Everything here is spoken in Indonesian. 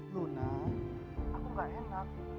luna aku gak enak